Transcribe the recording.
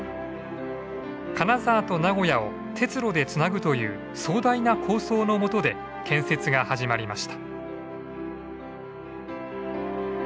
金沢と名古屋を鉄路でつなぐという壮大な構想のもとで建設が始まりました。